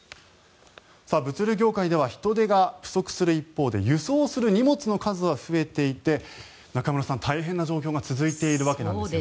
物流業界では人手が不足する一方で輸送する荷物の数は増えていて中室さん、大変な状況が続いているわけです。